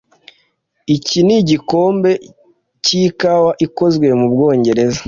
Iki nigikombe cyikawa ikozwe mubwongereza.